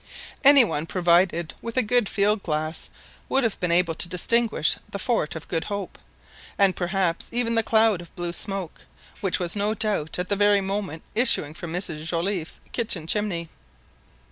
Any one provided with a good field glass would have been able to distinguish the fort of Good Hope, and perhaps even the cloud of blue smoke, which was no doubt at that very moment issuing from Mrs Joliffe's kitchen chimney.